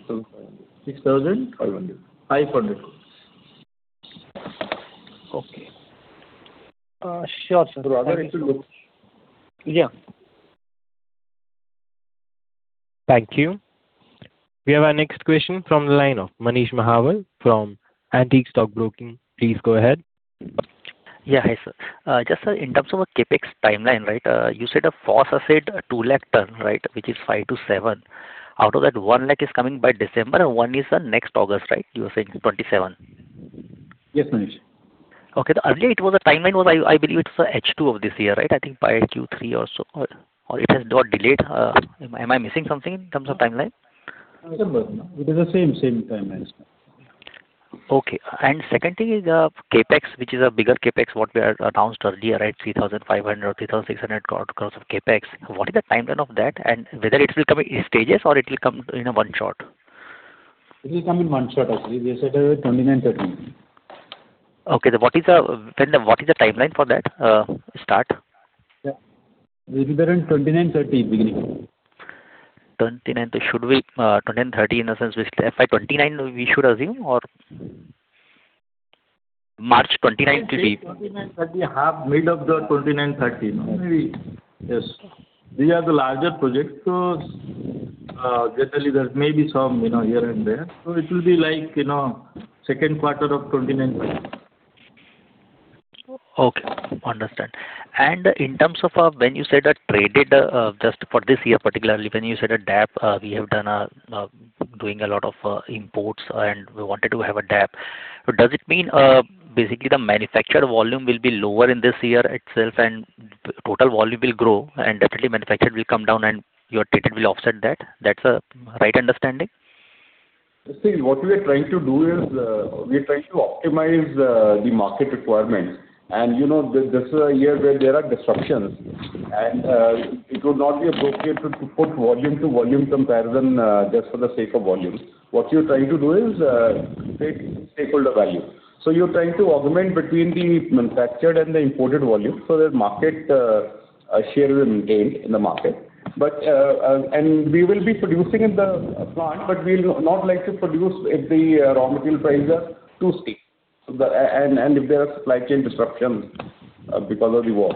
Speaker 15: 500. INR 6,500 crores.
Speaker 4: Okay. Sure, sir. Thank you.
Speaker 1: Yeah. Thank you. We have our next question from the line of Manish Mahawar from Antique Stock Broking. Please go ahead.
Speaker 2: Hi, sir. Just, sir, in terms of a CapEx timeline, you said a phos acid, 2 lakh ton, which is 5 lakh-7 lakh. Out of that, 1 lakh is coming by December and 1 lakh is the next August. You were saying 2027.
Speaker 15: Yes, Manish.
Speaker 2: Okay. Earlier, the timeline was, I believe it's H2 of this year. I think by Q3 or so. It has got delayed. Am I missing something in terms of timeline?
Speaker 15: No. It is the same timeline.
Speaker 2: Okay. Second thing is CapEx, which is a bigger CapEx, what we had announced earlier, 3,500 crore or 3,600 crore of CapEx. What is the timeline of that and whether it will come in stages or it will come in a one shot?
Speaker 15: It will come in one shot actually. We have said 2029, 2030.
Speaker 2: Okay. What is the timeline for that start?
Speaker 15: It will be around 2029, 2030 beginning.
Speaker 2: 29, 30. Should we 29, 30 in the sense by 29 we should assume or March 29, 30?
Speaker 15: 29, 30, half mid of the 29, 30. Maybe, yes. These are the larger projects, generally there may be some here and there. It will be like second quarter of 29, 30.
Speaker 2: Okay. Understood. In terms of when you said traded just for this year, particularly when you said DAP, we have doing a lot of imports and we wanted to have a DAP. Does it mean basically the manufactured volume will be lower in this year itself and total volume will grow, and definitely manufactured will come down and your traded will offset that? That's a right understanding?
Speaker 5: You see, what we are trying to do is, we are trying to optimize the market requirements. This is a year where there are disruptions, and it would not be appropriate to put volume to volume comparison just for the sake of volume. What you're trying to do is create stakeholder value. You're trying to augment between the manufactured and the imported volume so that market share will maintain in the market. We will be producing in the plant, but we'll not like to produce if the raw material prices are too steep and if there are supply chain disruptions because of the war.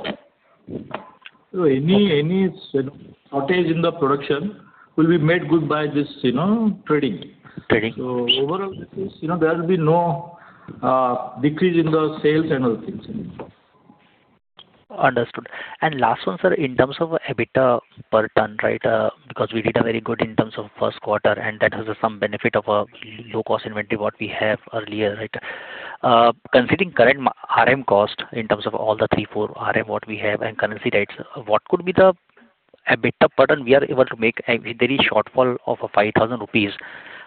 Speaker 15: Any shortage in the production will be made good by this trading.
Speaker 2: Trading.
Speaker 15: Overall, there will be no decrease in the sales and other things.
Speaker 2: Understood. Last one, sir, in terms of EBITDA per ton. We did a very good in terms of first quarter, and that has some benefit of low cost inventory what we have earlier. Considering current RM cost in terms of all the 3 RM, 4 RM what we have and currency rates, what could be the EBITDA per ton, we are able to make a very shortfall of 5,000 rupees.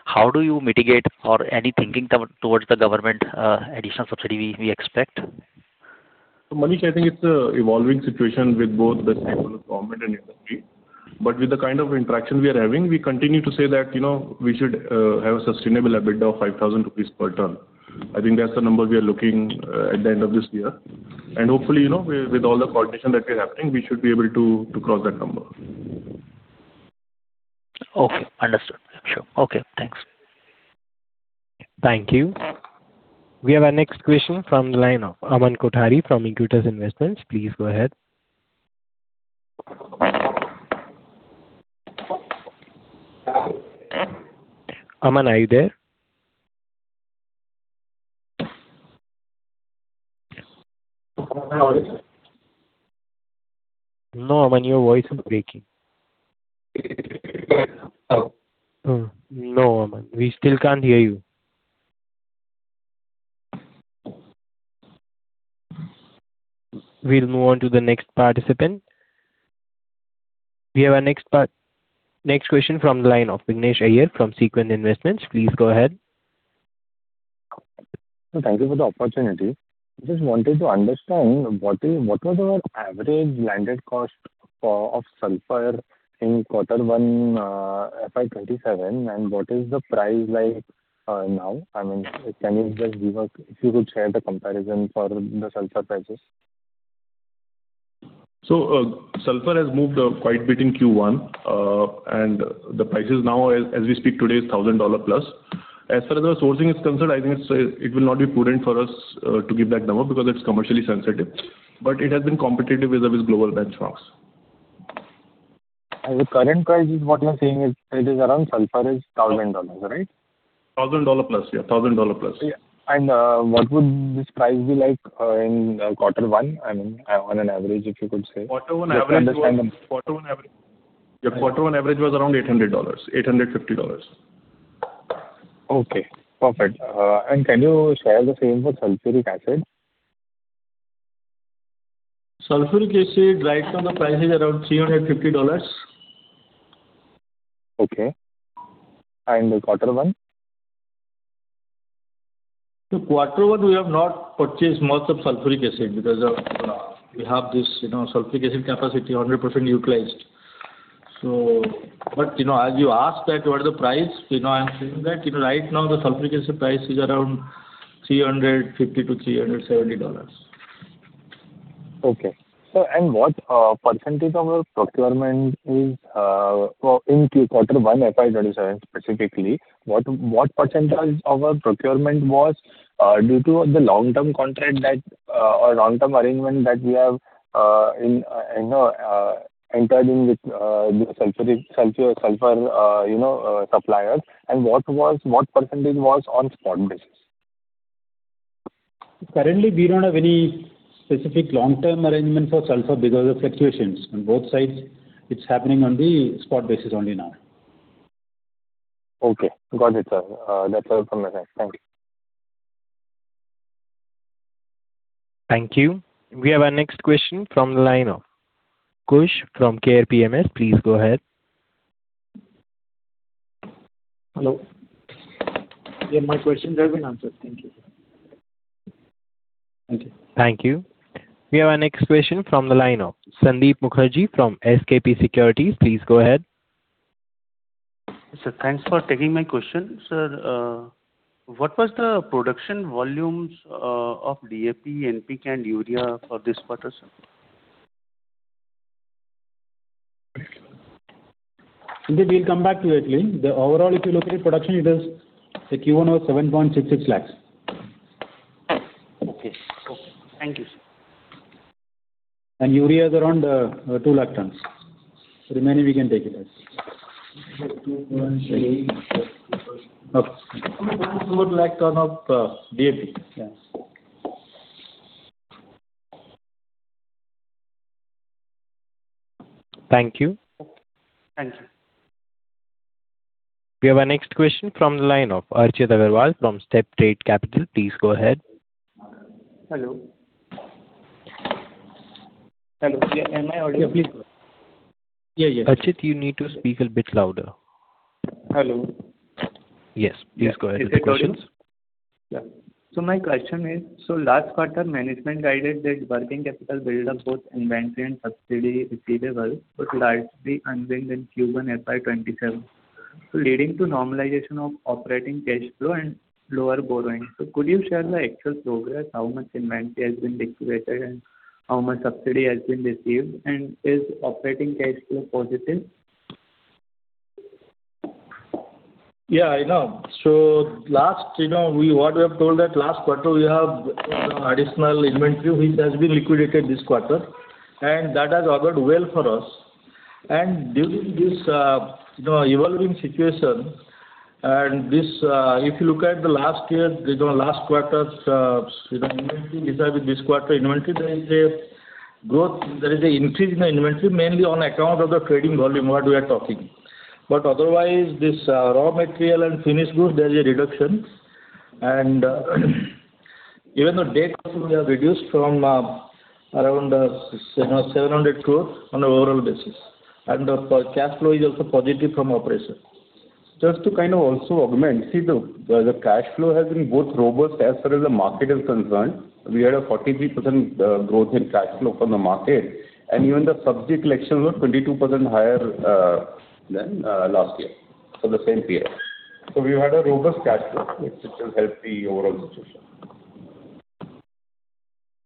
Speaker 2: How do you mitigate or any thinking towards the government additional subsidy we expect?
Speaker 9: Manish, I think it's a evolving situation with both the side of government and industry. With the kind of interactions we are having, we continue to say that we should have a sustainable EBITDA of 5,000 rupees per ton. I think that's the number we are looking at the end of this year. Hopefully, with all the coordination that we are having, we should be able to cross that number.
Speaker 2: Okay, understood. Sure. Okay, thanks.
Speaker 1: Thank you. We have our next question from the line of Aman Kothari from Aequitas Investments. Please go ahead. Aman, are you there?
Speaker 7: Am I audible, sir?
Speaker 1: No, Aman, your voice is breaking.
Speaker 7: Hello.
Speaker 1: No, Aman. We still can't hear you. We'll move on to the next participant. We have our next question from the line of Vignesh Iyer from Sequent Investments. Please go ahead.
Speaker 16: Thank you for the opportunity. Just wanted to understand what was your average landed cost of sulfur in quarter one FY 2027, and what is the price like now? Can you just give us, if you could share the comparison for the sulfur prices.
Speaker 9: Sulfur has moved quite a bit in Q1. The prices now as we speak today is $1,000+. As far as our sourcing is concerned, I think it will not be prudent for us to give that number because it's commercially sensitive. It has been competitive with our global benchmarks.
Speaker 16: The current price is what you are saying is, it is around sulfur is $1,000, right?
Speaker 9: $1,000+, yeah. $1,000+.
Speaker 16: Yeah. What would this price be like in quarter one? On an average, if you could say.
Speaker 3: Quarter one average was.
Speaker 16: Just to understand the.
Speaker 3: Quarter one average. Yeah, quarter one average was around $800, $850.
Speaker 16: Okay, perfect. Can you share the same for sulfuric acid?
Speaker 3: Sulfuric acid, right now the price is around $350.
Speaker 16: Okay. The quarter one?
Speaker 3: Quarter one, we have not purchased much of sulfuric acid because we have this sulfuric acid capacity 100% utilized. As you asked that what is the price, I am saying that right now the sulfuric acid price is around $350 to $370.
Speaker 16: Okay. Sir, what percentage of our procurement is in quarter one, FY 2027 specifically, what percentage of our procurement was due to the long-term contract or long-term arrangement that we have entered in with the sulfur suppliers? What percentage was on spot basis?
Speaker 3: Currently, we don't have any specific long-term arrangement for sulfur because of fluctuations on both sides. It's happening on the spot basis only now.
Speaker 16: Okay. Got it, sir. That's all from my side. Thank you.
Speaker 1: Thank you. We have our next question from the line of Kush from Care PMS. Please go ahead.
Speaker 17: Hello. Yeah, my question has been answered. Thank you.
Speaker 1: Thank you. We have our next question from the line of Sandeep Mukherjee from SKP Securities. Please go ahead.
Speaker 18: Sir, thanks for taking my question. Sir, what was the production volumes of DAP, NPK, and urea for this quarter, sir?
Speaker 3: Sandeep, we'll come back to it. The overall, if you look at the production, the Q1 was 7.66 lakhs.
Speaker 18: Okay. Thank you, sir.
Speaker 3: Urea is around two lakh tons. Remaining we can take it as.
Speaker 18: One, two, three.
Speaker 3: Okay. 1 lakh ton of DAP. Yeah.
Speaker 1: Thank you.
Speaker 18: Thank you.
Speaker 1: We have our next question from the line of Archit Agarwal from StepTrade Capital. Please go ahead.
Speaker 19: Hello. Am I audible?
Speaker 1: Yes. Archit, you need to speak a bit louder.
Speaker 19: Hello.
Speaker 1: Yes. Please go ahead with your questions.
Speaker 19: My question is, last quarter management guided that working capital buildup, both inventory and subsidy receivable, would largely unwind in Q1 FY 2027, leading to normalization of operating cash flow and lower borrowings. Could you share the actual progress, how much inventory has been liquidated and how much subsidy has been received? Is operating cash flow positive?
Speaker 5: Yeah, I know. What we have told that last quarter we have additional inventory which has been liquidated this quarter, and that has augured well for us. During this evolving situation, and if you look at the last year, last quarter's inventory compared with this quarter inventory, there is a growth, there is a increase in the inventory mainly on account of the trading volume what we are talking. Otherwise, this raw material and finished goods, there's a reduction. Even the debt also we have reduced from around 700 crore on a overall basis, and cash flow is also positive from operation. Just to kind of also augment, see, the cash flow has been both robust as far as the market is concerned. We had a 43% growth in cash flow from the market, and even the subsidy collections were 22% higher than last year for the same period. We had a robust cash flow, which will help the overall situation.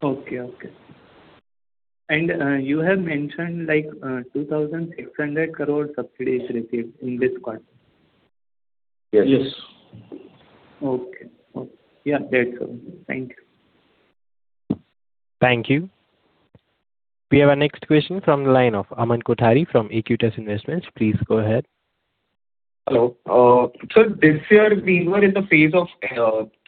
Speaker 19: Okay. You have mentioned 2,600 crore subsidies received in this quarter.
Speaker 5: Yes. Yes.
Speaker 19: Okay. That's all. Thank you.
Speaker 1: Thank you. We have our next question from the line of Aman Kothari from Aequitas Investments. Please go ahead.
Speaker 7: Hello. Sir, this year we were in the phase of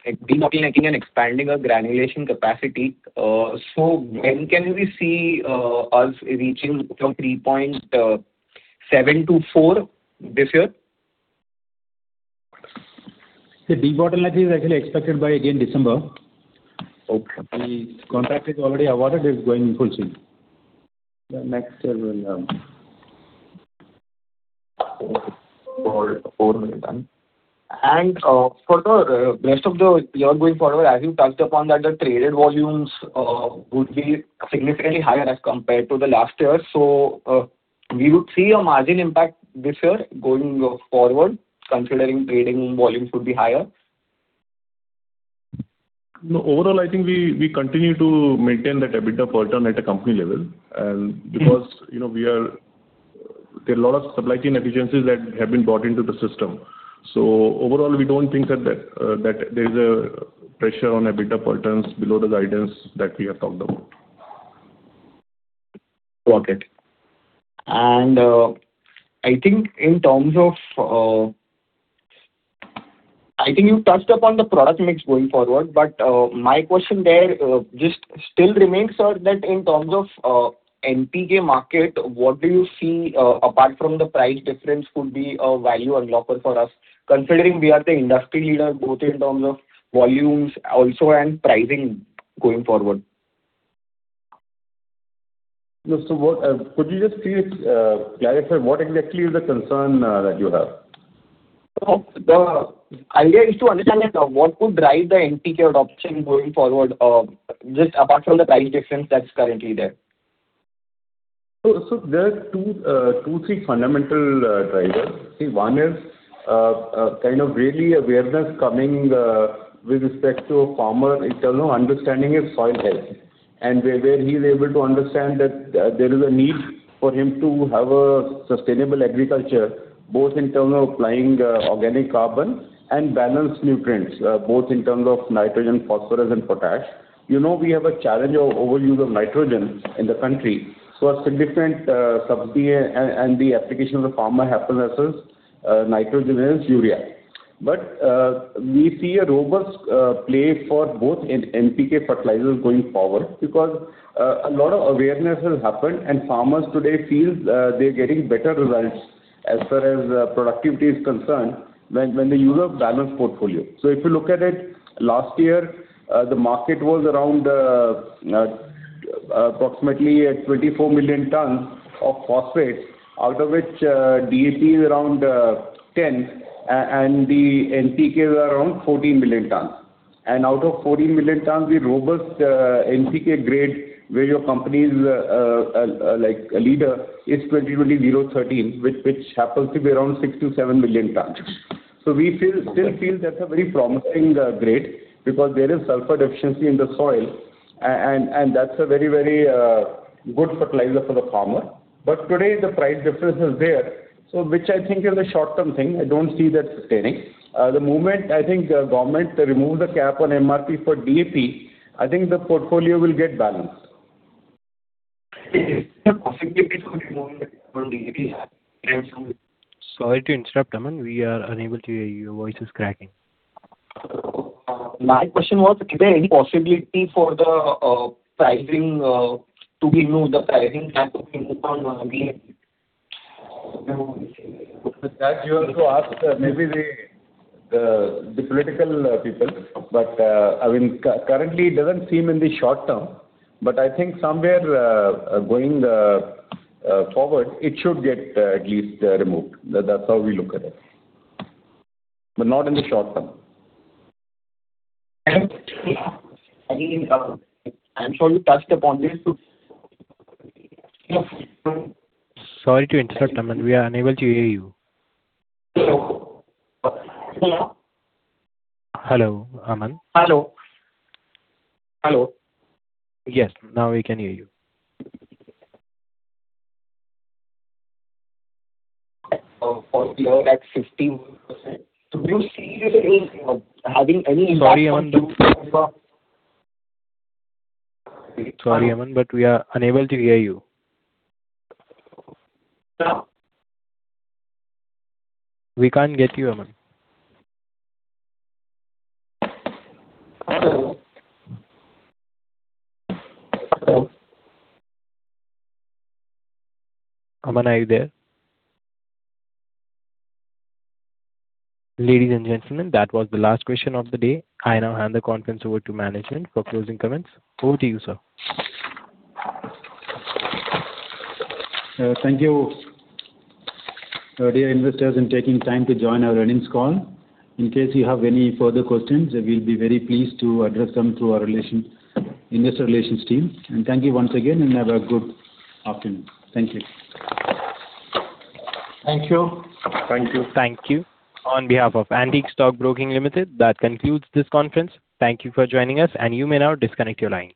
Speaker 7: debottlenecking and expanding our granulation capacity. When can we see us reaching from 3.7-4 this year?
Speaker 5: The debottleneck is actually expected by again December.
Speaker 7: Okay.
Speaker 5: The contract is already awarded, is going in full swing. The next year
Speaker 7: Okay. For the rest of the year going forward, as you touched upon that the traded volumes would be significantly higher as compared to the last year. We would see a margin impact this year going forward considering trading volumes would be higher?
Speaker 5: No, overall, I think we continue to maintain that EBITDA per ton at a company level. Because there are a lot of supply chain efficiencies that have been brought into the system. Overall, we don't think that there's a pressure on EBITDA per tons below the guidance that we have talked about.
Speaker 7: Got it. I think you touched upon the product mix going forward, my question there just still remains, sir, that in terms of NPK market, what do you see apart from the price difference could be a value unlocker for us, considering we are the industry leader both in terms of volumes also and pricing going forward?
Speaker 5: Could you just please clarify what exactly is the concern that you have?
Speaker 7: The idea is to understand what could drive the NPK adoption going forward, just apart from the price difference that's currently there.
Speaker 5: There are two, three fundamental drivers. See, one is really awareness coming with respect to a farmer in terms of understanding his soil health. Where he's able to understand that there is a need for him to have a sustainable agriculture, both in terms of applying organic carbon and balanced nutrients, both in terms of nitrogen, phosphorus and potash. You know, we have a challenge of overuse of nitrogen in the country. A significant subsidy and the application of the farmer happens as nitrogen and urea. We see a robust play for both NPK fertilizers going forward because a lot of awareness has happened and farmers today feel they're getting better results as far as productivity is concerned when they use a balanced portfolio. If you look at it, last year, the market was around approximately at 24 million tons of phosphate, out of which DAP is around 10, and the NPK was around 14 million tons. Out of 14 million tons, the robust NPK grade where your company is a leader is 20:20:0:13, which happens to be around 6 million tons-7 million tons. We still feel that's a very promising grade because there is sulfur deficiency in the soil, and that's a very good fertilizer for the farmer. Today the price difference is there. Which I think is a short-term thing. I don't see that sustaining. The moment I think government removes the cap on MRP for DAP, I think the portfolio will get balanced.
Speaker 7: Is there possibility for removing the cap on DAP?
Speaker 1: Sorry to interrupt, Aman. We are unable to hear you. Your voice is cracking.
Speaker 7: My question was, is there any possibility for the pricing cap to be removed on DAP?
Speaker 5: That you have to ask maybe the political people. Currently it doesn't seem in the short term, but I think somewhere going forward, it should get at least removed. That's how we look at it. Not in the short term.
Speaker 7: I'm sure you touched upon this too.
Speaker 1: Sorry to interrupt, Aman. We are unable to hear you.
Speaker 7: Hello?
Speaker 1: Hello, Aman.
Speaker 7: Hello? Hello?
Speaker 1: Yes. Now we can hear you.
Speaker 7: For year at 15%. Do you see this having any impact on you?
Speaker 1: Sorry, Aman, but we are unable to hear you.
Speaker 7: Hello?
Speaker 1: We can't get you, Aman.
Speaker 7: Hello?
Speaker 1: Aman, are you there? Ladies and gentlemen, that was the last question of the day. I now hand the conference over to management for closing comments. Over to you, sir.
Speaker 5: Thank you, dear investors, in taking time to join our earnings call. In case you have any further questions, we'll be very pleased to address them through our investor relations team. Thank you once again, and have a good afternoon. Thank you. Thank you.
Speaker 7: Thank you.
Speaker 1: Thank you. On behalf of Antique Stock Broking Limited, that concludes this conference. Thank you for joining us, and you may now disconnect your line.